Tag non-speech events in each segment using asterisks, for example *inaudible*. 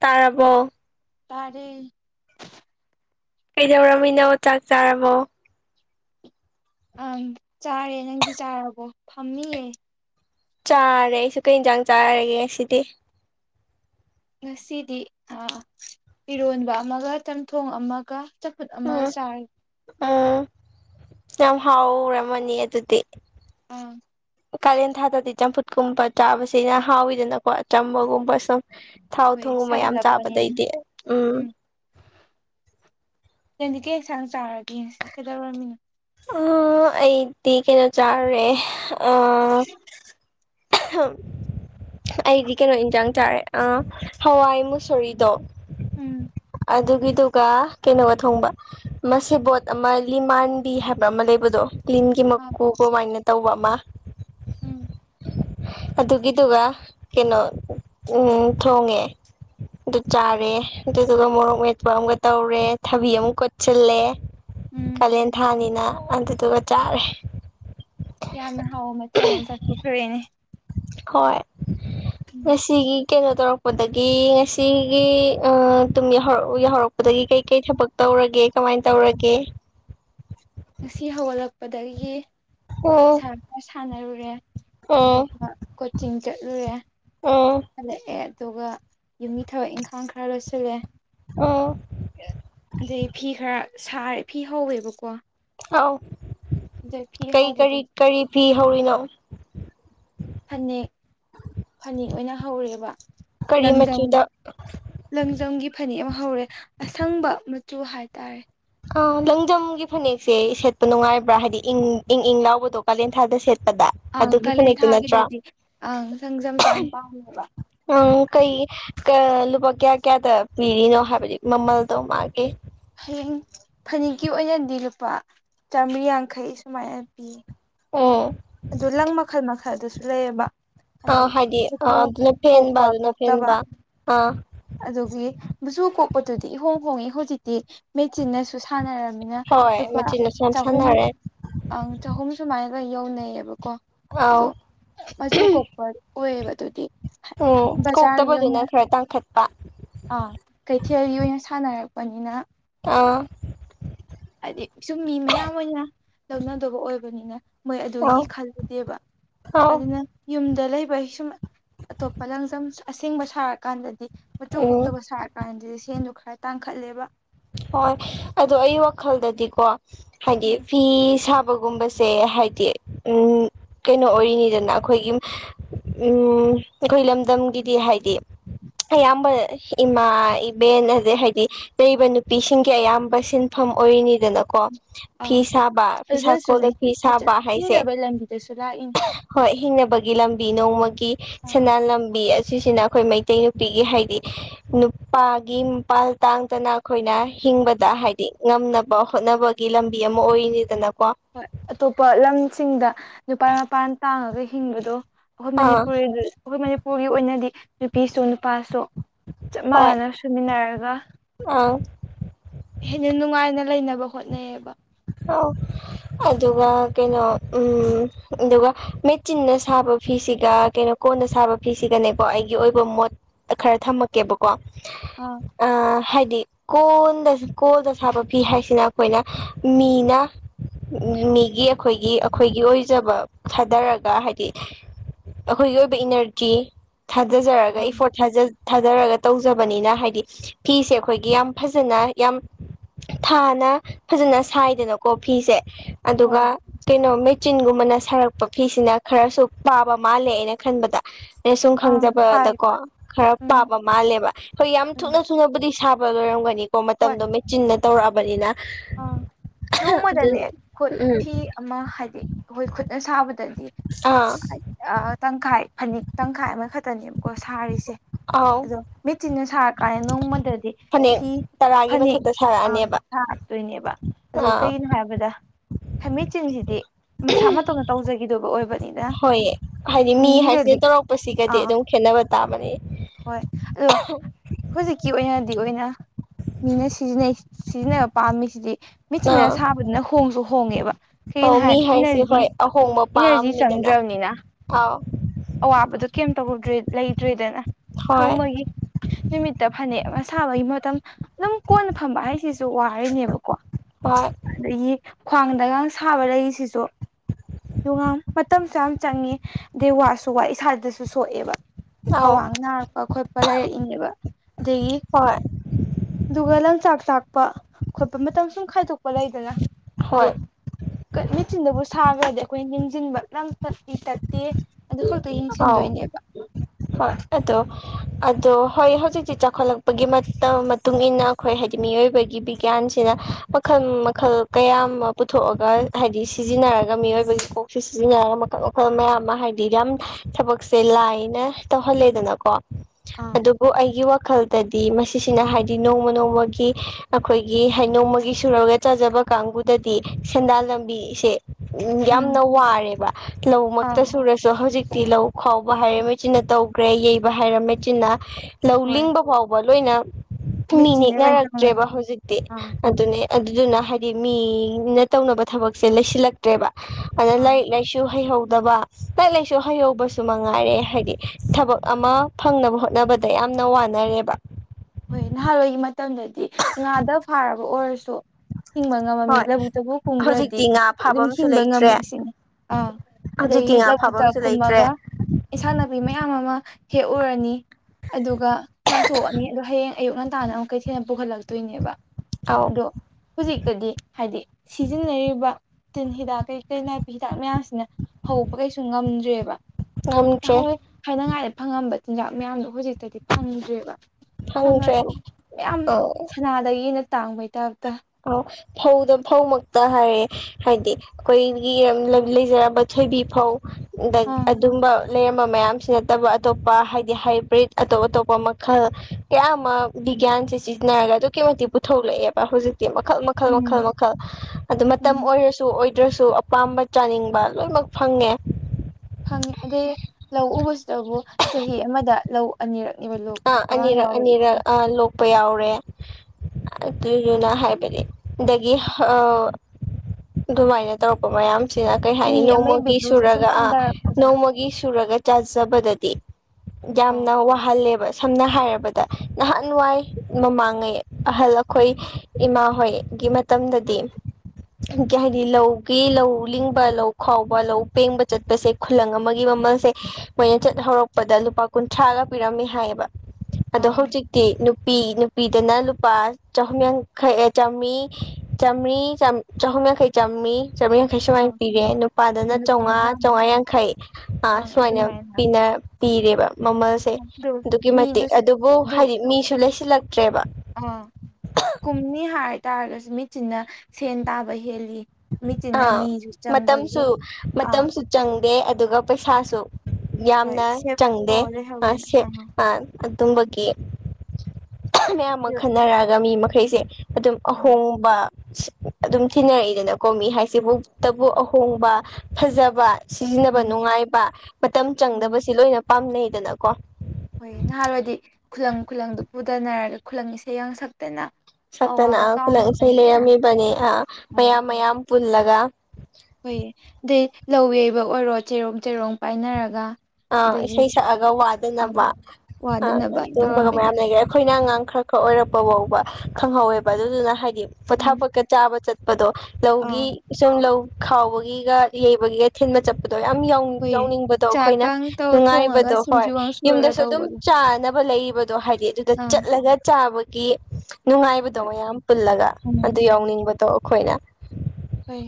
ꯇꯥꯔꯕꯣ ꯇꯥꯔꯦ ꯀꯩꯗꯧꯔꯝꯃꯤꯅꯣ ꯆꯥꯛ ꯆꯥꯔꯕꯣ ꯑꯪ ꯆꯥꯔꯦ ꯅꯪꯗꯤ ꯆꯥꯔꯕꯣ ꯐꯝꯃꯤꯌꯦ ꯆꯥꯔꯦ ꯑꯩꯁꯨ ꯀꯩ ꯍꯦꯟꯖꯥꯡ ꯆꯥꯔꯒꯦ ꯉꯁꯤꯗꯤ ꯉꯁꯤꯗꯤ ꯑꯥ ꯏꯔꯣꯟꯕ ꯑꯃꯒ ꯆꯝꯊꯣꯡ ꯑꯃꯒ ꯆꯝꯐꯨꯠ ꯑꯃꯒ ꯎꯝ ꯆꯥꯔꯦ ꯎꯝ ꯌꯥꯝ ꯍꯥꯎꯔꯝꯃꯅꯤ ꯑꯗꯨꯗꯤ ꯎꯝ ꯀꯥꯂꯦꯟ ꯊꯥꯗꯗꯤ ꯆꯝꯐꯨꯠꯀꯨꯝꯕ ꯆꯥꯕꯁꯤꯅ ꯍꯥꯎꯋꯤꯗꯅꯀꯣ ꯑꯆꯝꯕꯒꯨꯝꯕ ꯁꯨꯝ ꯊꯥꯎ ꯍꯣꯏ ꯊꯨꯝꯒꯨꯝꯕ ꯌꯥꯝ ꯁꯥꯒꯠꯂꯛꯄꯅꯤꯅ ꯆꯥꯕꯗꯩꯗꯤ ꯎꯝ ꯀꯦꯟꯗꯤ ꯀꯩ ꯌꯦꯟꯁꯥꯡ ꯆꯥꯔꯒꯦ ꯁꯤ ꯀꯩꯗꯧꯔꯃꯤꯅꯣ ꯑꯣ ꯑꯩꯗꯤ ꯀꯩꯅꯣ ꯆꯥꯔꯦ *inaudible* ꯑꯍꯝ ꯑꯩꯗꯤ ꯀꯩꯅꯣ ꯏꯟꯖꯥꯡ ꯆꯥꯔꯦ ꯑꯥ ꯍꯋꯥꯏ ꯃꯨꯛꯁꯣꯔꯤꯗꯣ ꯎꯝ ꯑꯗꯨꯒꯤꯗꯨꯒ ꯀꯩꯅꯣꯒ ꯊꯣꯡꯕ ꯃꯁꯤꯕꯣꯠ ꯑꯃ ꯂꯤꯃꯥꯟꯕꯤ ꯍꯥꯏꯕ ꯑꯃ ꯂꯩꯕꯗꯣ ꯂꯤꯟꯒꯤ ꯑꯥ ꯃꯀꯨ ꯀꯣ ꯃꯥꯏꯅ ꯇꯧꯕ ꯑꯃ ꯎꯝ ꯑꯗꯨꯒꯤꯗꯨꯒ ꯀꯩꯅꯣ ꯎꯝ ꯊꯣꯡꯉꯦ ꯑꯗꯨ ꯆꯥꯔꯦ ꯑꯗꯨ ꯑꯗꯨꯒ ꯃꯣꯔꯣꯛ ꯃꯦꯠꯄ ꯑꯃꯒ ꯇꯧꯔꯦ ꯊꯕꯤ ꯑꯃꯨꯛ ꯀꯣꯠꯁꯤꯜꯂꯦ ꯎꯝ ꯀꯥꯂꯦꯟ ꯊꯥꯅꯤꯅ ꯑꯗꯨꯗꯨꯒ ꯆꯥꯔꯦ ꯌꯥꯝꯅ ꯍꯥꯎꯕ ꯃꯊꯦꯜ ꯑꯃ ꯆꯊꯣꯛꯈ꯭ꯔꯦꯅꯦ ꯍꯣꯏ ꯉꯁꯤꯒꯤ ꯀꯩꯅꯣ ꯇꯧꯔꯛꯄꯗꯒꯤ ꯉꯁꯤꯒꯤ ꯑꯝ ꯇꯨꯝꯍꯦꯛꯍꯧꯔꯛ ꯌꯥꯍꯧꯔꯛꯄꯗꯒꯤ ꯀꯩ ꯀꯩ ꯊꯕꯛ ꯇꯧ ꯇꯧꯔꯒꯦ ꯀꯃꯥꯏꯟ ꯇꯧꯔꯒꯦ ꯉꯁꯤ ꯍꯧꯒꯠꯂꯛꯄꯗꯒꯤ ꯎꯝ ꯁꯔꯞ ꯁꯥꯟꯅꯔꯨꯔꯦ ꯎꯝ ꯑꯗꯨꯒ ꯀꯣꯆꯤꯡ ꯆꯠꯂꯨꯔꯦ ꯎꯝ ꯍꯂꯛꯑꯦ ꯑꯗꯨꯒ ꯌꯨꯝꯃꯤ ꯊꯕꯛ ꯏꯪꯈꯥꯡ ꯈꯔ ꯂꯣꯏꯁꯤꯜꯂꯦ ꯎꯝ ꯑꯗꯩ ꯐꯤ ꯈꯔ ꯁꯥꯔꯦ ꯐꯤ ꯍꯧꯋꯦꯕꯀꯣ ꯑꯥꯎ ꯑꯗꯩ ꯐꯤ ꯀꯔꯤ ꯍꯧꯕꯗꯣ ꯀꯔꯤ ꯀꯔꯤ ꯐꯤ ꯍꯧꯧꯔꯤꯅꯣ ꯐꯅꯦꯛ ꯐꯅꯦꯛ ꯑꯣꯏꯅ ꯍꯧꯔꯦꯕ ꯀꯔꯤ ꯂꯪꯖꯝ ꯃꯆꯨꯗ ꯂꯪꯖꯝꯒꯤ ꯐꯅꯦꯛ ꯑꯃ ꯍꯧꯔꯦ ꯑꯁꯪꯕ ꯃꯆꯨ ꯍꯥꯏꯇꯥꯔꯦ ꯑ ꯂꯪꯖꯝꯒꯤ ꯐꯅꯦꯛꯁꯦ ꯁꯦꯠꯄ ꯅꯨꯡꯉꯥꯏꯕ꯭ꯔꯥ ꯍꯥꯏꯗꯤ ꯏꯪ ꯏꯪ ꯏꯪ ꯂꯥꯎꯕꯗꯣ ꯀꯥꯂꯦꯟ ꯊꯥꯗ ꯁꯦꯠ ꯑꯪ ꯀꯥꯂꯦꯟ ꯊꯥꯒꯤꯗꯗꯤ ꯑꯪ ꯁꯪꯖꯝꯁꯦ ꯌꯥꯝ ꯄꯥꯝꯃꯦꯕ ꯎꯪ ꯀꯩ ꯍꯥꯏꯗꯤ ꯂꯨꯄꯥ ꯀꯌꯥ ꯀꯌꯥꯗ ꯄꯤꯔꯤꯅꯣ ꯍꯥꯏꯕꯗꯤ ꯃꯃꯜꯗꯧ ꯃꯥꯒꯦ ꯍꯌꯦꯡ ꯐꯅꯦꯛꯀꯤ ꯑꯣꯏꯅꯗꯤ ꯂꯨꯄꯥ ꯆꯥꯃꯔꯤ ꯌꯥꯡꯈꯩ ꯁꯨꯃꯥꯏꯅ ꯄꯤ ꯑꯣ ꯑꯗꯨ ꯂꯪ ꯃꯈꯜ ꯃꯈꯜꯗꯨꯁꯨ ꯂꯩꯌꯦꯕ ꯑꯥ ꯑꯗꯗꯒꯤ ꯍꯥꯏꯗꯤ ꯑꯥ ꯃꯁꯨ ꯑꯗꯨꯅ ꯐꯦꯟꯕ ꯀꯣꯛꯄ ꯑꯗꯨꯅ ꯈꯣꯛꯇꯕ ꯐꯦꯟꯕ ꯑꯥ ꯑꯗꯨꯒꯤ ꯨꯖꯨ ꯀꯣꯛꯄꯗꯨꯗꯤ ꯏꯍꯣꯡ ꯍꯣꯡꯉꯦ ꯍꯧꯖꯤꯛꯇꯤ ꯃꯦꯆꯤꯟꯅꯁꯨ ꯁꯥꯟꯅꯔꯝꯃꯦ ꯑꯗꯨꯅ ꯍꯣꯏ ꯂꯨꯄꯥ ꯃꯆꯤꯟꯅꯁꯨ ꯌꯥꯝ ꯆꯍꯨꯝꯪ ꯁꯥꯟꯅꯔꯦ ꯆꯍꯨꯝ ꯁꯨꯃꯥꯏꯅꯒ ꯌꯧꯅꯩꯌꯦꯕꯀꯣ ꯀꯣ ꯑꯥꯎ ꯑꯗꯣ ꯃꯆꯨ ꯀꯣꯛꯄ ꯑꯣꯏꯌꯦꯕ ꯑꯗꯨꯗꯤ ꯎꯝ ꯕꯖꯥꯔꯒꯤ ꯑꯣꯏꯅ ꯀꯣꯛꯇꯕꯗꯨꯅ ꯈꯔ ꯇꯥꯡꯈꯠꯄ ꯑꯥ ꯀꯩꯊꯦꯜꯒꯤ ꯑꯣꯏꯅ ꯁꯥꯟꯅꯔꯛꯄꯅꯤꯅ ꯑꯥ ꯍꯥꯏꯗꯤ ꯁꯨꯝ ꯃꯤ ꯃꯌꯥꯝ ꯑꯣꯏꯅ ꯂꯧꯅꯗꯕ ꯑꯣꯏꯕꯅꯤꯅ ꯃꯣꯏ ꯑꯥꯎ ꯑꯗꯨꯒꯤ ꯈꯜꯂꯨꯗꯦꯕ ꯑꯥꯎ ꯑꯗꯨꯅ ꯌꯨꯝꯗ ꯂꯩꯕ ꯁꯨꯝ ꯑꯇꯣꯞꯄ ꯂꯪꯖꯝ ꯑꯁꯦꯡꯕ ꯁꯥꯔꯀꯥꯟꯗꯗꯤ ꯃꯆꯨ ꯎꯝ ꯈꯣꯛꯇꯕ ꯁꯥꯔꯀꯥꯟꯗꯗꯤ ꯏꯦꯟꯗꯨꯣ ꯈꯔ ꯇꯥꯡꯈꯠꯂꯦꯕ ꯍꯣꯏ ꯑꯗꯣ ꯑꯩ ꯋꯥꯈꯜꯗꯗꯤꯀꯣ ꯍꯥꯏꯗꯤ ꯎꯝ ꯐꯤ ꯁꯥꯕ ꯕꯒꯨꯝꯕꯁꯦ ꯍꯥꯏꯗꯤ ꯎꯝ ꯀꯩꯅꯣ ꯑꯣꯏꯔꯤꯅꯤꯗꯅ ꯑꯩꯈꯣꯏꯒꯤ ꯑꯩꯈꯣꯏ ꯂꯝꯗꯝꯒꯤꯗꯤ ꯍꯥꯏꯗꯤ ꯑꯌꯥꯝꯕ ꯏꯃꯥ ꯏꯕꯦꯟ ꯑꯗꯩ ꯍꯥꯏꯗꯤ ꯂꯩꯕ ꯅꯨꯄꯤ ꯅꯨꯄꯤꯁꯤꯡꯒꯤ ꯑꯌꯥꯝꯕ ꯁꯤꯟꯐꯝ ꯑꯣꯏꯔꯤꯅꯤ ꯑꯗꯨꯅꯀꯣ ꯑꯥ ꯐꯤ ꯁꯥꯕ ꯐꯤꯁꯥ ꯀꯣꯜꯂ ꯑꯗꯨꯅꯁꯨꯅꯤ ꯐꯤ ꯁꯥꯕ ꯍꯥꯏꯁꯦ ꯍꯤꯡꯅꯕ ꯂꯝꯕꯤꯗꯁꯨ ꯂꯥꯛꯏꯅꯤ ꯍꯣꯏ ꯍꯤꯡꯅꯕꯒꯤ ꯂꯝꯕꯤ ꯅꯣꯡꯃꯒꯤ ꯑꯥ ꯁꯅꯥꯟ ꯂꯝꯕꯤ ꯁꯤꯁꯤꯅ ꯑꯩꯈꯣꯏ ꯃꯩꯇꯩ ꯅꯨꯄꯤꯒꯤ ꯍꯥꯏꯗꯤ ꯅꯨꯄꯥꯒꯤ ꯃꯄꯥꯜ ꯇꯥꯡꯗꯅ ꯑꯩꯈꯣꯏꯅ ꯍꯤꯡꯕꯗ ꯑꯥ ꯍꯥꯏꯗꯤ ꯉꯝꯅꯕ ꯍꯣꯠꯅꯕꯒꯤ ꯂꯝꯕꯤ ꯑꯃ ꯑꯣꯏꯔꯤꯅꯤꯗꯅ ꯍꯣꯏ ꯑꯇꯣꯞꯄ ꯂꯝꯁꯤꯡꯗ ꯅꯨꯄꯥ ꯃꯄꯥꯟ ꯇꯥꯡꯉꯒ ꯍꯤꯡꯕꯗꯣ ꯑꯩꯈꯣꯏ ꯑꯥ ꯃꯅꯤꯄꯨꯔ ꯑꯩꯈꯣꯏ ꯃꯅꯤꯄꯨꯔꯒꯤ ꯑꯣꯏꯅꯗꯤ ꯅꯨꯄꯤꯁꯨ ꯅꯨꯄꯥꯁꯨ ꯍꯣꯏ ꯃꯥꯅꯅꯁꯨꯃꯤꯅꯔꯒ ꯑꯥ ꯍꯦꯟꯅ ꯅꯨꯡꯉꯥꯏꯅ ꯂꯩꯅꯕ ꯍꯣꯠꯅꯩꯌꯦꯕ ꯑꯥꯎ ꯑꯗꯨꯒ ꯀꯩꯅꯣ ꯎꯝ ꯑꯗꯨꯒ ꯃꯦꯆꯤꯟꯅ ꯁꯥꯕ ꯐꯤꯁꯤꯒ ꯀꯩꯅꯣ ꯀꯣꯟꯅ ꯁꯥꯕ ꯐꯤꯁꯤꯒꯅꯦꯀꯣ ꯑꯩꯒꯤ ꯑꯣꯏꯕ ꯃꯣꯠ ꯈꯔ ꯊꯝꯃꯛꯀꯦꯕꯀꯣ ꯑꯥ ꯑ ꯍꯥꯏꯗꯤ ꯀꯣꯟꯗ ꯀꯣꯜꯗ ꯁꯥꯕ ꯐꯤ ꯍꯥꯏꯁꯤꯅ ꯑꯩꯈꯣꯏꯅ ꯃꯤꯅ ꯃꯤꯒꯤ ꯑꯩꯈꯣꯏꯒꯤ ꯑꯩꯈꯣꯏꯒꯤ ꯑꯣꯏꯖꯕ ꯊꯥꯗꯔꯒ ꯍꯥꯏꯗꯤ ꯑꯩꯈꯣꯏꯒꯤ ꯑꯣꯏꯕ ꯏꯅꯔꯖꯤ ꯊꯥꯖꯖꯔꯒ ꯑꯥ ꯏ ꯐꯣꯔꯠ ꯊꯥꯖ ꯊꯥꯗꯔꯒ ꯇꯧꯖꯕꯅꯤꯅ ꯍꯥꯏꯗꯤ ꯐꯤꯁꯦ ꯑꯩꯈꯣꯏꯒꯤ ꯌꯥꯝ ꯐꯖꯅ ꯌꯥꯝ ꯊꯥꯅ ꯐꯖꯅ ꯁꯥꯏꯗꯅꯀꯣ ꯐꯤꯁꯦ ꯍꯣꯏ ꯑꯗꯨꯒ ꯀꯩꯅꯣ ꯆꯤꯟꯒꯨꯝꯕꯅ ꯁꯥꯔꯛꯄ ꯐꯤꯁꯤꯅ ꯈꯔꯁꯨ ꯄꯥꯕ ꯃꯥꯜꯂꯦ ꯑꯅ ꯈꯟꯕꯗ ꯑ ꯁꯨꯝ ꯑꯥ ꯍꯣꯏ ꯈꯪꯖꯕꯗꯀꯣ ꯈꯔ ꯎꯝ ꯄꯥꯕ ꯃꯥꯜꯂꯦꯕ ꯍꯣꯏ ꯌꯥꯝ ꯎꯝ ꯊꯨꯅ ꯊꯨꯅꯕꯨꯗꯤ ꯁꯥꯕ ꯂꯣꯏꯔꯝꯒꯅꯤꯀꯣ ꯃꯇꯝꯗꯣ ꯃꯦꯆꯤꯟꯅ ꯇꯧꯔꯛꯑꯕꯅꯤꯅ ꯑ ꯑꯗꯨ ꯅꯣꯡꯃꯗꯅꯦ ꯈꯨꯠ ꯎꯝ ꯐꯤ ꯑꯃ ꯍꯥꯏꯗꯤ ꯑꯩꯈꯣꯏ ꯈꯨꯠꯅ ꯁꯥꯕꯗꯗꯤ ꯑꯥ ꯇꯪꯈꯥꯏ ꯐꯅꯤꯦꯛ ꯇꯪꯈꯥꯏ ꯑꯃꯈꯛꯇꯅꯦꯕꯀꯣ ꯁꯥꯔꯤꯁꯦ ꯑꯥꯎ ꯑꯗꯣ ꯃꯦꯆꯤꯟꯗꯨ ꯁꯥꯔꯀꯥꯏ ꯅꯣꯡꯃꯗꯗꯤ ꯐꯅꯦꯛ ꯐꯤ ꯇꯔꯥꯒꯤ ꯐꯅꯦꯛ ꯃꯊꯛꯇ ꯑ ꯁꯥꯔꯛꯑꯅꯦꯕ ꯑ ꯑꯥ ꯀꯒꯤꯅꯣ ꯍꯥꯏꯕꯗ ꯍꯥꯏꯃꯦꯠ ꯆꯁꯤꯗꯤ ꯃꯁꯥ ꯃꯇꯧꯅ ꯇꯧꯖꯒꯦ ꯗ ꯑꯣꯏꯕ ꯍꯣꯏꯑ ꯍꯥꯏꯗꯤ ꯃꯤ ꯍꯥꯏꯁꯤꯅ ꯇꯧꯔꯛꯄꯁꯤꯒꯗꯤ ꯑꯥ ꯑꯗꯨꯝ ꯈꯦꯠꯅꯕ ꯇꯥꯕꯅꯦ ꯍꯣꯏ ꯑꯗꯣ *unintelligible* ꯍꯧꯖꯤꯛꯀꯤ ꯑꯣꯏꯅꯗꯤ ꯑꯣꯏꯅ ꯃꯤꯅ ꯁꯤꯖꯤꯟꯅꯩ ꯁꯤꯖꯤꯟꯅꯕ ꯄꯥꯝꯃꯤꯁꯤꯗꯤ ꯃꯦꯆꯤꯤꯟ ꯑꯥ ꯁꯥꯕꯗꯨꯅ ꯍꯣꯡꯁꯨ ꯍꯣꯡꯉꯦꯕ ꯀꯩꯒꯤꯅꯣ ꯑꯧ ꯃꯤ ꯍꯥꯏꯔꯗꯤ ꯍꯥꯏꯁꯦ ꯏꯅꯔꯖꯤ ꯍꯣꯏ ꯑꯍꯣꯡꯕ ꯏꯅꯔꯖꯤ ꯄꯥꯝꯃꯤꯗꯅ ꯆꯪꯗ꯭ꯔꯕꯅꯤꯅ ꯑꯥꯎ ꯑꯋꯥꯕꯗꯣ ꯀꯩꯝ ꯇꯧꯍꯧꯗ꯭ꯔꯦ ꯂꯩꯇ꯭ꯔꯦꯗꯅ ꯍꯣꯏ ꯅꯣꯡꯃꯒꯤ ꯅꯨꯃꯤꯠꯇ ꯐꯅꯦꯛ ꯁꯕꯍꯤ ꯃ ꯃꯇꯝ ꯑꯗꯨꯝ ꯀꯣꯟꯅ ꯐꯝꯕ ꯍꯥꯏꯁꯤꯁꯨ ꯋꯥꯔꯅꯦꯕꯀꯣ ꯍꯣꯏ ꯑꯗꯒꯤ ꯈ꯭ꯋꯥꯡꯗꯒꯥꯡ ꯁꯥꯕ ꯂꯩꯁꯤꯁꯨ ꯉ ꯃꯇꯝꯁꯨ ꯌꯥꯝ ꯆꯪꯉꯦ ꯑꯗꯩ ꯋꯥꯁꯨ ꯋꯥ ꯏꯁꯥꯗꯁꯨ ꯁꯣꯛꯑꯦꯕ ꯑꯧ ꯈ꯭ꯋꯥꯡ ꯅꯥꯔꯛꯄ ꯈꯣꯠꯄ ꯂꯩꯔꯛꯏꯅꯦꯕ ꯑꯗꯒꯤ ꯍꯣꯏ ꯑꯗꯨꯒ ꯂꯝꯪꯆꯥꯛ ꯆꯥꯛꯄ ꯈꯣꯠꯄ ꯃꯇꯝ ꯁꯨꯝ ꯈꯥꯏꯗꯣꯛꯄ ꯂꯩꯗꯅ ꯍꯣꯏ ꯀ ꯃꯦꯆꯤꯟꯗꯨꯕꯨ ꯁꯥꯈ꯭ꯔꯗꯤ ꯑꯩꯈꯣꯏ ꯅꯤꯡꯁꯤꯡꯟꯕ ꯅꯠꯄꯤ ꯇꯠꯇꯦ ꯑꯗꯨ ꯈꯛꯇ ꯑꯥꯎ ꯌꯦꯡꯁꯤꯟꯗꯣꯏꯅꯦꯕ ꯍꯣꯏꯣ ꯑꯗꯣ ꯍꯣꯏ ꯍꯧꯖꯤꯛꯇꯤ ꯆꯥꯎꯈꯠꯂꯛꯄꯒꯤ ꯃꯇꯨꯡ ꯏꯟꯅ ꯑꯩꯈꯣꯏ ꯍꯥꯏꯗꯤ ꯃꯤꯑꯣꯏꯕꯒꯤ ꯕꯤꯒ꯭ꯌꯥꯟꯁꯤꯅ ꯃꯈꯜ ꯃꯈꯜ ꯀꯌꯥ ꯑꯃ ꯄꯨꯊꯣꯛꯑꯒ ꯍꯥꯏꯗꯤ ꯁꯤꯖꯤꯟꯅꯔꯒ ꯃꯤꯑꯣꯏꯕꯒꯤ ꯀꯣꯛꯁꯤꯦ ꯁꯤꯖꯤꯟꯅꯔ ꯃꯈꯜ ꯃꯈꯜ ꯃꯌꯥꯝ ꯑꯃ ꯍꯥꯏꯗꯤꯔꯤ ꯌꯥꯝ ꯊꯕꯛꯁꯦ ꯂꯥꯏꯅ ꯇꯧꯍꯜꯂꯦꯗꯅꯀꯣ ꯑꯥ ꯑꯗꯨꯕꯨ ꯑꯩꯒꯤ ꯋꯥꯈꯜꯗꯗꯤ ꯃꯁꯤꯁꯤꯅ ꯍꯥꯏꯗꯤ ꯅꯣꯡꯃ ꯅꯣꯡꯃꯒꯤ ꯑꯩꯈꯣꯏꯒꯤ ꯍꯥꯏꯗꯤ ꯅꯣꯡꯃꯒꯤ ꯁꯨꯔꯨꯔꯒ ꯆꯥꯖꯕ ꯀꯥꯡꯕꯨꯗꯗꯤ ꯁꯦꯟꯗꯥꯟ ꯂꯝꯕꯤꯁꯦ ꯎꯝ ꯌꯥꯝꯅ ꯋꯥꯔꯦꯕ ꯂꯧꯃꯛꯇ ꯑꯥ ꯁꯨꯔꯁꯨ ꯍꯧꯖꯤꯛ ꯇꯤ ꯂꯧ ꯈꯥꯎꯕ ꯍꯥꯏꯔꯦ ꯃꯦꯆꯤꯟꯅ ꯇꯧꯈ꯭ꯔꯦ ꯌꯩꯕ ꯍꯥꯏꯔ ꯃꯦꯆꯤꯟꯅ ꯂꯧ ꯍꯣꯏ ꯂꯤꯡꯕ ꯐꯥꯎꯕ ꯂꯣꯏꯅ ꯃꯤ ꯃꯦꯆꯤꯟꯅ ꯂꯣꯏ ꯇꯧꯅꯔꯦ ꯅꯦꯛꯅꯔꯛꯇ꯭ꯔꯦꯕ ꯍꯧꯖꯤꯛꯇꯤ ꯑꯥ ꯑꯗꯨꯅꯦ ꯑꯗꯨꯗꯨꯅ ꯍꯥꯏꯗꯤ ꯃꯤꯅ ꯇꯧꯅꯕ ꯊꯕꯛꯁꯦ ꯂꯩꯁꯤꯜꯂꯛꯇ꯭ꯔꯦꯕ ꯑꯗ ꯑꯥ ꯂꯥꯏꯔꯤꯛ ꯂꯥꯏꯁꯨ ꯍꯩꯍꯧꯗꯕ ꯂꯥꯏꯔꯤꯛ ꯂꯥꯏꯁꯨ ꯁꯨ ꯍꯩꯍꯧꯕꯁꯨ ꯃꯉꯥꯏꯔꯦ ꯍꯥꯏꯗꯤ ꯊꯕꯛ ꯑꯃ ꯐꯪꯅꯕ ꯍꯣꯠꯅꯕꯗ ꯌꯥꯝꯅ ꯋꯥꯅꯔꯦꯕ ꯍꯣꯏ ꯅꯍꯥꯟꯋꯥꯏꯒꯤ ꯃꯇꯝꯗꯗꯤ ꯉꯥꯗ ꯐꯥꯔꯕ ꯑꯣꯏꯔꯁꯨ ꯍꯤꯡꯕ ꯉꯝꯃꯝꯃꯤ ꯍꯣꯏ ꯂꯕꯨꯨꯛꯇꯕꯨ ꯀꯨꯝꯈ꯭ꯔꯗꯤ ꯍꯧꯖꯤꯛꯇꯤ ꯉꯥ ꯑꯗꯨꯝ ꯐꯥꯐꯝꯁꯨ ꯍꯤꯡꯕ ꯉꯝꯃꯤ ꯂꯩꯇ꯭ꯔꯦ ꯁꯤꯅꯤ ꯑꯥ ꯍꯧꯖꯤꯛꯇꯤ ꯑꯗꯒꯤ ꯉꯥ ꯂꯕꯨꯛꯇ ꯐꯥꯐꯝꯁꯨ ꯂꯩꯇ꯭ꯔꯦ ꯀꯨꯝꯃꯒ ꯏꯟꯁꯥꯡ ꯅꯄꯤ ꯃꯌꯥꯝ ꯑꯃ ꯍꯦꯛꯎꯔꯅꯤ ꯑꯗꯨꯒ ꯆꯥꯝꯊꯣꯛꯑꯅꯤ ꯍꯌꯦꯡ ꯑꯌꯨꯛ ꯉꯟꯇꯥꯅ ꯑꯃꯨꯛ ꯀꯩꯊꯦꯟ ꯄꯨꯈꯠꯂꯛꯇꯣꯏꯅꯦꯕ ꯑꯧ ꯑꯗꯣ ꯍꯨꯖꯤꯛꯇꯗꯤ ꯍꯥꯏꯗꯤ ꯁꯤꯖꯤꯟꯅꯔꯤꯕ ꯇꯤꯟ ꯍꯤꯗꯥꯛ ꯀꯩꯀꯩ ꯅꯥꯄꯤ ꯍꯤꯗꯥꯛ ꯃꯌꯥꯝꯁꯤꯅ ꯍꯧꯕ ꯀꯩꯁꯨ ꯉꯝꯗ꯭ꯔꯦꯕ ꯉꯝꯗ꯭ꯔꯦ ꯅꯍꯥꯟꯋꯥꯏ ꯊꯥꯏꯅꯉꯥꯏꯗ ꯐꯪꯉꯝꯕ ꯆꯤꯟꯖꯥꯛ ꯃꯌꯥꯝꯗꯣ ꯍꯧꯖꯤꯛꯇꯗꯤ ꯐꯪꯗ꯭ꯔꯦꯕ ꯐꯪꯗ꯭ꯔꯦ ꯐꯪꯉꯁꯨ ꯃꯌꯥꯝ ꯁꯅꯥꯗꯒꯤ ꯍꯟꯅ ꯇꯥꯡꯕꯩꯇꯥꯕꯇ ꯑꫭ ꯐꯧꯗ ꯐꯧ ꯃꯛꯇ ꯍꯥꯏꯔꯦ ꯍꯥꯏꯗꯤ ꯑꯩꯈꯣꯏꯒꯤ ꯂꯩꯖꯔꯝꯕ ꯊꯣꯏꯕꯤ ꯐꯧ ꯑꯥ ꯑꯗꯨꯝꯕ ꯂꯩꯔꯝꯕ ꯃꯌꯥꯝꯁꯤ ꯅꯠꯇꯕ ꯑꯇꯣꯞꯄ ꯍꯥꯏꯗꯤ ꯍꯥꯏꯕ꯭ꯔꯤꯠ ꯑꯇꯣꯞ ꯑꯇꯣꯞꯄ ꯃꯈꯜ ꯀꯌꯥ ꯑꯃ ꯒ꯭ꯌꯥꯟꯁꯦ ꯁꯤꯖꯤꯟꯅꯔꯒ ꯑꯗꯨꯛꯀꯤ ꯃꯇꯤꯛ ꯄꯨꯊꯣꯛꯂꯛꯑꯦꯕ ꯍꯧꯖꯤꯛ ꯃꯈꯜ ꯃꯈꯜ ꯎꯝ ꯃꯈꯜ ꯃꯈꯜ ꯑꯗꯨ ꯃꯇꯝ ꯎꯝ ꯑꯣꯏꯔꯁꯨ ꯑꯣꯏ ꯗ꯭ꯔꯁꯨ ꯑꯄꯥꯝꯕ ꯆꯥꯅꯤꯡꯕ ꯂꯣꯏꯅꯃꯛ ꯐꯪꯉꯦ ꯐꯪꯉꯤ ꯑꯗꯩ ꯂꯧ ꯎꯕꯁꯤꯇꯕꯨ ꯆꯍꯤ ꯑꯃꯗ ꯂꯧ ꯑꯅꯤꯔꯛ ꯑꯥ ꯑꯅꯤꯔ ꯑꯅꯤꯔ ꯑ ꯂꫭꯛ ꯛꯄꯥ ꯌꯥꯎꯔꯦ ꯑꯗꯨꯗꯨꯅ ꯍꯥꯏꯕꯗꯤ ꯑꯗꯒꯤ ꯑꯗꯨꯃꯥꯏꯅ ꯇꯧꯔꯛꯄ ꯃꯥꯏꯌꯥꯝ ꯁꯤꯅ ꯀꯩ ꯃꯤ ꯍꯥꯏꯅꯤ ꯑꯃꯒꯤ ꯅꯣꯡꯃꯒꯤ ꯚꯦꯂꯨꯁꯦ ꯁꯨꯝ ꯁꯨꯔꯒ ꯑꯥ ꯍꯟꯊꯔꯛꯄꯁꯦ ꯅꯣꯡꯃꯒꯤ ꯁꯨꯔꯒ ꯆꯥꯖꯕꯗꯗꯤ ꯑꯥ ꯌꯥꯝꯅ ꯋꯥꯍꯟꯂꯦꯕ ꯁꯝꯅ ꯍꯥꯏꯔꯕꯗ ꯅꯍꯥꯟꯋꯥꯏ ꯃꯃꯥꯡꯉꯩ ꯑꯍꯜ ꯑꯩꯈꯣꯏ ꯏꯃꯥ ꯍꯣꯏ ꯒꯤ ꯃꯇꯝꯗꯗꯤ ꯍꯥꯏꯗꯤ ꯂꯧꯒꯤ ꯂꯧ ꯂꯤꯡꯕ ꯂꯧ ꯈꯥꯎꯕ ꯂꯧ ꯄꯦꯡꯕ ꯆꯠꯄꯁꯦ ꯈꯨꯂꯪ ꯑꯃꯒꯤ ꯃꯃꯜꯁꯦ ꯃꯣꯏꯅ ꯆꯠ ꯍꯧꯔꯛꯄꯗ ꯂꯨꯄꯥ ꯀꯨꯟꯊ꯭ꯔꯥꯒ ꯄꯤꯔꯝꯃꯦ ꯍꯥꯏꯌꯦꯕ ꯑꯗꯣ ꯑꯥ ꯍꯧꯖꯤꯛꯇꯤ ꯅꯨꯞ ꯅꯨꯄꯤ ꯅꯨꯄꯤꯗꯅ ꯂꯨꯄꯥ ꯆꯍꯨꯝ ꯌꯥꯡꯈꯩ ꯑ‌ꯦ ꯆꯔꯤ ꯆꯥꯝꯔꯤ ꯆꯍꯨꯝ ꯆꯪꯈꯩ ꯆꯝꯃꯔꯤ ꯆꯥꯝꯔꯤ ꯌꯥꯡꯈꯩ ꯁꯨꯃꯥꯏꯅ ꯑꯥ ꯄꯤꯔꯦ ꯑꯗꯨ ꯅꯨꯄꯥꯗꯅ ꯅꯨꯄꯥꯗꯨꯅ ꯆꯥꯝꯃꯉꯥ ꯑꯃꯨꯛ ꯆꯥꯝꯃꯉꯥ ꯌꯥꯡꯈꯩ ꯑꯪ ꯁꯨꯃꯥꯏꯅ ꯑꯗꯨꯃꯥꯏꯅ ꯄꯤꯅ ꯍꯥꯞꯄꯦ ꯄꯤꯔꯦꯕ ꯃꯃꯜꯁꯦ ꯑꯗꯨ ꯑꯗꯨꯀꯤ ꯃꯇꯤꯛ ꯃꯤꯗꯨꯁꯨ ꯑꯗꯨꯕꯨ ꯍꯥꯏꯗꯤ ꯃꯤꯁꯨ ꯂꯩꯁꯤꯜꯂ ꯎꯝ ꯀꯨꯝꯅꯤ ꯍꯥꯏꯇꯥꯥꯔꯒꯁꯨ ꯃꯤꯠꯆꯤꯟꯅ ꯁꯦꯟ ꯇꯥꯕ ꯍꯦꯜꯂꯤ ꯃꯦꯆꯤꯟꯅ ꯑꯥ ꯃꯤꯁꯨ ꯆꯪꯕꯒꯤ ꯃꯇꯝꯁꯨ ꯑꯪ ꯃꯇꯝꯁꯨꯨ ꯆꯪꯗꯦ ꯑꯗꯨꯒ ꯄꯩꯁꯥꯁꯨ ꯍꯣꯏ ꯌꯥꯝꯅ ꯁꯦꯞ ꯆꯪꯗꯦ ꯇꯧꯔ ꯂꯩꯍꯧꯋꯦꯅ ꯑꯪ ꯑꯗꯨꯝꯕꯒꯤ ꯃꯌꯥꯝ ꯑꯃ ꯈꯟꯅꯔꯛꯑꯒ ꯃꯤ ꯃꯈꯩꯁꯦ ꯑꯗꯨꯝ ꯑꯪ ꯑꯍꯣꯡꯕ ꯑꯗꯨꯝ ꯊꯤꯅꯔꯛꯏꯗꯅ ꯀꯣꯃꯤ ꯍꯥꯏꯁꯤꯕꯨꯛꯇꯕꯨ ꯑꯍꯣꯡꯕ ꯐꯖꯕ ꯁꯤꯖꯤꯟꯅꯕ ꯎꯝ ꯅꯨꯡꯉꯥꯏꯕ ꯃꯇꯝ ꯎꯝ ꯆꯪꯗꯕꯁꯤ ꯂꯣꯏꯅ ꯄꯥꯝꯅꯩꯗꯅꯀꯣ ꯍꯣꯏ ꯅꯍꯥꯟꯋꯥꯏꯗꯤ ꯈꯨꯂꯪ ꯈꯨꯂꯪꯗꯨ ꯄꯨꯗꯅꯔꯒ ꯈꯨꯂꯪ ꯏꯁꯩ ꯌꯥꯡ ꯁꯛꯇꯅ ꯁꯛꯇꯅ ꯑꯋꯥꯕ ꯑ ꯈꯨꯂꯪ ꯏꯁꯩ ꯀꯥꯎꯅꯕꯅꯤꯅ ꯂꯩꯔꯝꯃꯤꯕꯅꯤ ꯑ ꯃꯌꯥꯝ ꯃꯌꯥꯝ ꯄꯨꯜꯂꯒ ꯍꯣꯏꯌꯦ ꯑꯗꯩ ꯂꯧ ꯌꯩꯕ ꯑꯣꯏꯔꯣ ꯆꯦꯔꯣꯡ ꯆꯦꯔꯣꯡ ꯄꯥꯏꯅꯔꯒ ꯑꯥ ꯑꯗꯒꯤ ꯏꯁꯩ ꯁꯛꯑꯒ ꯋꯥꯗꯅꯕ ꯑꯥ ꯑ ꯋꯥꯗꯅꯕ ꯑꯗꯨꯝꯕꯒ ꯇꯧꯔꯝꯃꯤꯅꯤ ꯃꯌꯥꯝ ꯂꯩꯈ꯭ꯔꯦ ꯑꯩꯈꯣꯏꯅ ꯑꯉꯥꯡ ꯈꯔ ꯈꯔ ꯑꯣꯏꯔꯛꯄ ꯐꯥꯎꯕ ꯈꯪꯍꯧꯋꯦꯕ ꯑꯗꯨꯗꯨꯅ ꯍꯥꯏꯗꯤ ꯄꯣꯊꯥ ꯎꯝ ꯄꯣꯠꯀ ꯆꯥꯕ ꯆꯠꯄꯗꯣ ꯂꯧꯒꯤ ꯑꯥ ꯁꯨꯝ ꯂꯧ ꯈꯥꯎꯕꯒꯤꯒ ꯌꯩꯕꯒꯤꯒ ꯊꯤꯟꯕ ꯆꯠꯄ ꯑꯗꯣ ꯌꯥꯝ ꯑꯩꯈꯣꯏ ꯌꯥꯎꯅꯤꯡꯕꯗꯣ ꯑꯩꯈꯣꯏꯅ ꯆꯥꯛꯀ ꯇꯧ ꯊꯣꯡꯉꯒ ꯅꯨꯡꯉꯥꯏꯕꯗꯣ ꯍꯣꯏ ꯁꯤꯡꯖꯨꯒ ꯁꯨꯔꯒ ꯌꯨꯝꯗꯁꯨ ꯑꯗꯨꯝ ꯇꯧꯕꯗꯣ ꯆꯥꯅꯕ ꯂꯩꯔꯤꯕꯗꯣ ꯍꯥꯏꯗꯤ ꯑꯗꯨꯗ ꯑꯥ ꯆꯠꯂꯒ ꯆꯥꯕ ꯅꯨꯡꯉꯥꯏꯕꯗꯣ ꯍꯣꯏ ꯃꯌꯥꯝ ꯄꯨꯜꯂꯒ ꯎꯝ ꯑꯗꯨ ꯌꯥꯎꯅꯤꯡꯕꯗꯣ ꯑꯩꯈꯣꯏꯅ ꯍꯣꯏ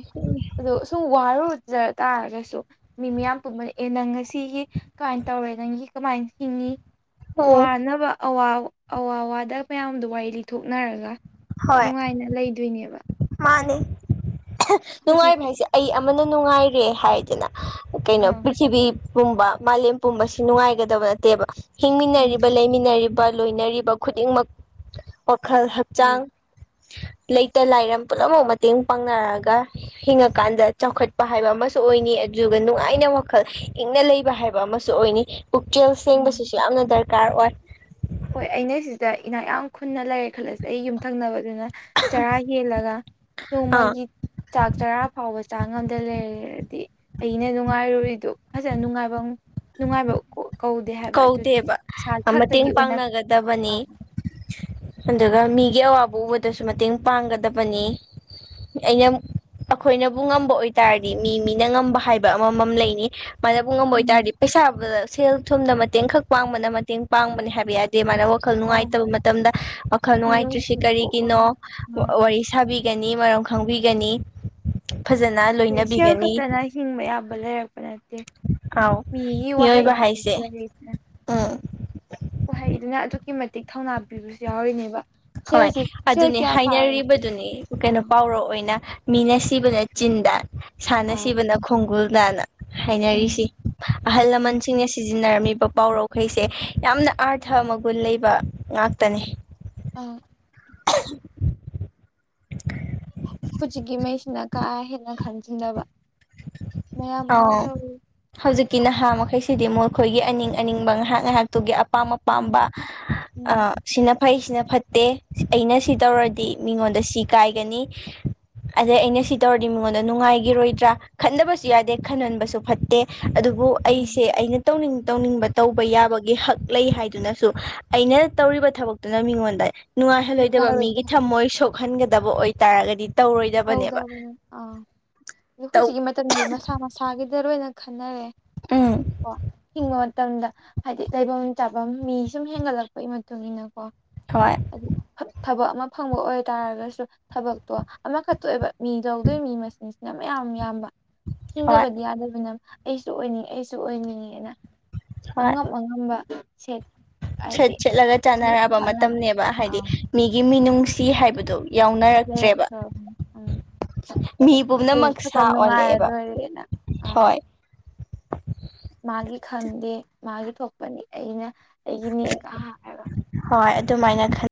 ꯑꯣ ꯁꯨꯝ ꯋꯥꯔꯨ ꯖ ꯇꯥꯔꯒꯁꯨ ꯃꯤ ꯃꯤꯌꯥꯝ ꯄꯨꯟꯕꯂ ꯑꯦ ꯅꯪ ꯉꯁꯤꯒꯤ ꯀꯃꯥꯏꯅ ꯇꯧꯔꯦ ꯅꯪꯒꯤ ꯀꯃꯥꯏꯅ ꯍꯤꯡꯉꯤ ꯎꯝ ꯋꯥꯅꯕ ꯑꯋꯥ ꯑꯋꯥꯋꯥꯗ ꯃꯌꯥꯝꯗ ꯋꯥꯔꯤ ꯂꯤꯊꯣꯛꯅꯔꯒ ꯅꯨꯡꯉꯥꯏꯅ ꯂꯩꯗꯣꯏꯅꯦꯕ ꯃꯥꯅꯦ ꯍꯧꯖꯤꯛ ꯅꯨꯡꯉꯥꯏꯕ ꯍꯥꯏꯁꯦ ꯑꯩ ꯑꯃꯅ ꯅꯨꯡꯉꯥꯏꯔꯦ ꯍꯥꯏꯗꯅ ꯀꯩꯅꯣ ꯑꯥ ꯄ꯭ꯔꯤꯊꯤꯕꯤ ꯄꯨꯝꯕ ꯃꯥꯂꯦꯝ ꯄꯨꯝꯕꯁꯤ ꯅꯨꯡꯉꯥꯏꯒꯗꯕ ꯅꯠꯇꯦꯕ ꯎꯝ ꯍꯤꯡꯃꯤꯟꯅꯔꯤꯕ ꯂꯩꯃꯤꯟꯅꯔꯤꯕ ꯂꯣꯏꯅꯔꯤꯕ ꯈꯨꯗꯤꯡꯃꯛ ꯈꯜ ꯍꯣꯏ ꯍꯛꯆꯥꯡ ꯂꯩꯇ ꯂꯥꯏꯔ ꯄꯨꯝꯅꯃꯛ ꯃꯇꯦꯡ ꯄꯥꯡꯅꯔꯒ ꯍꯤꯡꯉꯀꯥꯟꯗ ꯆꯥꯎꯈꯠꯄ ꯍꯥꯏꯕ ꯑꯃꯁꯨ ꯑꯣꯏꯅꯤ ꯑꯗꯨꯒ ꯅꯨꯡꯉꯥꯏꯅꯕ ꯃꯈꯜ ꯏꯪꯅ ꯂꯩꯕ ꯍꯥꯏꯕ ꯑꯃꯁꯨ ꯑꯣꯏꯅꯤ ꯄꯨꯛꯆꯦꯜ ꯎꯝ ꯁꯦꯡꯕꯁꯤꯁꯨ ꯌꯥꯝꯅ ꯗꯔꯀꯥꯔ ꯑꯣꯏ ꯍꯣꯏ ꯑꯩꯅ ꯁꯤꯗ ꯏꯅꯥ ꯌꯥꯝ ꯈꯨꯟꯅ ꯂꯩꯔꯦ ꯈꯜꯂꯁꯦ ꯑꯩ ꯌꯨꯝꯊꯪꯅꯕꯗ ꯑꯗꯨꯅ ꯆꯔꯥ ꯍꯦꯜꯂꯒ ꯑꯥ ꯅꯣꯡꯃꯒꯤ ꯆꯥꯛ ꯆꯔꯥ ꯐꯥꯎꯕ ꯆꯥꯡ ꯑꯝꯗ ꯂꯩꯔꯗꯤ ꯑꯩꯅ ꯅꯨꯡꯉꯥꯏꯔꯨꯔꯤꯗꯣ ꯐꯖꯅ ꯅꯨꯡꯉꯥꯏꯕ ꯅꯨꯡꯉꯥꯏꯕꯣ ꯀꯧꯗꯦ ꯍꯥꯏꯕ ꯑꯗꯨꯗꯤ ꯀꯧꯗꯦꯕ ꯏꯁꯥ ꯈ ꯃꯇꯦꯡ ꯄꯥꯡꯅꯒꯗꯕꯅꯤ ꯑꯗꯨꯒ ꯃꯤ ꯒꯤ ꯑꯋꯥꯕ ꯎꯕꯗꯁꯨ ꯃꯇꯦꯡ ꯄꯥꯡꯒꯗꯕꯅꯤ ꯑꯩꯅ ꯑꯩꯈꯣꯏꯅꯕꯨ ꯉꯝꯕ ꯑꯣꯏꯇꯥꯔꯗꯤ ꯃꯤ ꯃꯤꯅ ꯉꯝꯕ ꯍꯥꯏꯕ ꯑꯃꯃꯝ ꯂꯩꯅꯤ ꯃꯥꯏꯅꯕꯨ ꯉꯝꯕ ꯑꯣꯏꯇꯥꯥꯔꯗꯤ ꯄꯩꯁꯥ ꯁꯦꯜ ꯊꯨꯝꯗ ꯃꯇꯦꯡ ꯈꯛ ꯄꯥꯡꯕꯅ ꯃꯇꯦꯡ ꯄꯥꯡꯕꯅꯦ ꯍꯥꯏꯕ ꯌꯥꯏꯔꯦ ꯃꯅ ꯋꯥꯈꯜ ꯎꯝ ꯅꯨꯡꯉꯥꯏꯇꯕ ꯃꯇꯝꯗ ꯋꯥꯈꯜ ꯅꯨꯡꯉꯥꯏꯇ꯭ꯔꯤꯁꯤ ꯃꯤꯅꯨꯡꯁꯤ ꯄꯣꯛꯑꯒ ꯀꯔꯤꯒꯤꯅꯣ ꯋꯥꯔꯤ ꯁꯥꯕꯤ ꯒꯅꯤ ꯃꯔꯝ ꯈꯪꯕꯤꯒꯅꯤ ꯐꯖꯅ ꯁꯦꯜ ꯂꯣꯏꯅꯕꯤꯒꯅꯤ ꯈꯛꯇꯅ ꯍꯤꯡꯕ ꯌꯥꯕ ꯂꯩꯔꯛꯄ ꯅꯠꯇꯦ ꯑꯥꯎ ꯃꯤꯒꯤ ꯋꯥꯍꯩ ꯃꯤꯑꯣꯏꯕ ꯍꯥꯏꯕꯁꯨ ꯍꯥꯏꯁꯦ ꯂꯩꯗꯅ ꯎꯝ ꯍꯍꯩ ꯑꯗꯨꯅ ꯑꯗꯨꯛꯀꯤ ꯃꯇꯤꯛ ꯊꯧꯅꯥ ꯄꯤꯕꯁꯨ ꯌꯥꯎꯔꯤꯅꯦꯕ ꯍꯣꯏ ꯁꯦꯜꯁꯤ ꯁꯦꯜ ꯑꯗꯨꯅꯦ ꯀꯌꯥ ꯐꯥꯔꯁꯨ ꯍꯥꯏꯅꯔꯤꯕꯗꯨꯅꯤ ꯀꯩꯅꯣ ꯑꯥ ꯄꯥꯎꯔ ꯑꯣꯏꯅ ꯃꯤꯅ ꯁꯤꯕꯅ ꯆꯤꯟꯗꯥ ꯁꯥꯟꯅ ꯑꯥ ꯁꯤꯕꯅ ꯈꯣꯡꯒꯨꯜ ꯅꯥꯅ ꯍꯥꯏꯅꯔꯤꯁꯤ ꯎꯝ ꯑꯍꯜ ꯎꯝ ꯂꯃꯟꯁꯤꯡꯅ ꯁꯤ ꯁꯤꯖꯤꯟꯅꯔꯝꯃꯤꯕ ꯄꯥꯎꯔꯧꯈꯩꯁꯦ ꯌꯥꯝꯅ ꯑꯥꯔꯊ ꯃꯒꯨꯟ ꯂꯩꯕ ꯉꯥꯛꯇꯅꯤ ꯑ *inaudible* ꯍꯧꯖꯤꯛꯀꯤꯉꯩꯁꯤꯅ ꯀꯥ ꯍꯦꯟꯅ ꯈꯟꯖꯤꯟꯅꯕ ꯃꯌꯥꯝ ꯑꯃ ꯇꯧꯋꯤ ꯀꯤ ꯅꯍꯥ ꯃꯈꯩꯁꯤꯗꯤ ꯃꯈꯣꯏꯒꯤ ꯑꯅꯤꯡ ꯑꯅꯤꯡꯕ ꯉꯥꯏꯍꯥꯛ ꯉꯥꯏꯍꯥꯛꯇꯨꯒꯤ ꯑꯄꯥꯝ ꯑꯪ ꯑꯄꯥꯝꯕ ꯎꯝ ꯁꯤꯅ ꯐꯩꯁꯤꯅ ꯐꯠꯇꯦ ꯑꯩꯅ ꯁꯤ ꯇꯧꯔꯗꯤ ꯃꯤꯉꯣꯟꯗ ꯁꯤ ꯀꯥꯏꯒꯅꯤ ꯑꯗꯩ ꯑꯩꯅ ꯁꯤ ꯇꯧꯔꯗꯤ ꯃꯤꯉꯣꯟꯗ ꯅꯨꯡꯉꯥꯏꯈꯤꯔꯣꯏꯗ꯭ꯔꯥ ꯈꯟꯗꯕꯁꯨ ꯌꯥꯗꯦ ꯈꯟꯍꯟꯕꯁꯨ ꯐꯠꯇꯦ ꯑꯗꯨꯕꯨ ꯑꯩꯁꯦ ꯑꯩꯅ ꯇꯧꯅꯤꯡ ꯇꯧꯅꯤꯡꯕ ꯇꯧꯕ ꯌꯥꯕꯒꯤ ꯍꯛ ꯂꯩ ꯍꯥꯏꯗꯨꯅꯁꯨ ꯑꯩꯅ ꯇꯧꯔꯤꯕ ꯊꯕꯛꯇꯨꯅ ꯃꯤꯉꯣꯟꯗ ꯅꯨꯡꯉꯥꯏꯍꯜꯂꯣꯏꯗꯕ ꯃꯤꯒꯤ ꯅꯨꯡꯉꯥꯏꯔꯣꯏꯗꯕꯅꯤ ꯊꯃꯣꯏ ꯁꯣꯛꯍꯟꯒꯗꯕ ꯑꯣꯏꯇꯥꯔꯒꯗꯤ ꯇꯧꯔꯣꯏꯗꯕꯅꯦꯕ ꯆꯗꯕ ꯇꯧ ꯑꯖꯤ ꯃꯇꯝꯗꯤ ꯃꯁꯥ ꯃꯁꯥꯒꯤꯗ ꯂꯣꯏꯅ ꯈꯟꯅꯔꯦ ꯎꯝ ꯀꯣ ꯍꯤꯡꯕ ꯃꯇꯝꯗ ꯍꯥꯏꯗꯤ ꯂꯩꯐꯝ ꯆꯥꯐꯝ ꯃꯤ ꯁꯨꯝ ꯍꯦꯟꯒꯠꯂꯛꯄꯒꯤ ꯃꯇꯨꯡ ꯏꯟꯅ ꯀꯣ ꯍꯣꯏ ꯍꯥꯏ ꯊꯕꯛ ꯑꯃ ꯐꯪꯕ ꯑꯣꯏꯇꯥꯔꯒꯁꯨ ꯊꯕꯛꯇꯣ ꯑꯃꯈꯛꯇ ꯑꯣꯏꯑꯕ ꯃꯤꯗꯧꯗꯣꯏꯕ ꯃꯤ ꯃꯁꯤꯡꯁꯤꯅ ꯃꯌꯥꯝ ꯌꯥꯝꯕ ꯍꯣꯏ ꯍꯤꯡꯗꯕꯗꯤ ꯌꯥꯗꯕꯅ ꯑꯩꯁꯨ ꯑꯣꯏꯅꯤꯡꯉꯤ ꯑꯩꯁꯨ ꯑꯣꯏꯅꯤꯡꯉꯦꯅ ꯍꯣꯏ ꯑꯉꯝ ꯑꯉꯝꯕ ꯁꯦꯠ ꯍꯥꯏꯗꯤ ꯁꯦꯠ ꯁꯦꯠꯂꯒ ꯆꯦꯒ ꯆꯥꯅꯔꯛꯑꯕ ꯆꯥꯟꯅ ꯃꯇꯝꯅꯦꯕ ꯍꯥꯏꯗꯤ ꯃꯤꯒꯤ ꯃꯤꯅꯨꯡꯁꯤ ꯍꯥꯏꯕꯗꯣ ꯌꯥ ꯎꯝ ꯃꯤ ꯑꯩ ꯄꯨꯝꯅꯃꯛ ꯈꯇ ꯁꯥ ꯅꯨꯡꯉꯥꯏꯔ ꯑꯣꯜꯂꯛꯑꯦꯕ ꯂꯣꯏꯔꯦꯅ ꯑꯥ ꯍꯣꯏ ꯃꯥꯒꯤ ꯈꯪꯗꯦ ꯃꯥꯒꯤ ꯊꯣꯛꯄꯅꯤ ꯑꯩꯅ ꯑꯩꯒꯤꯅꯦꯒ ꯍꯥꯏꯔꯒ ꯍꯣꯏ ꯑꯗꯨꯃꯥꯏꯅ ꯈ